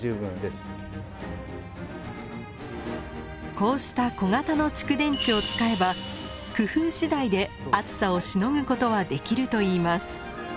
こうした小型の蓄電池を使えば工夫次第で暑さをしのぐことはできるといいます。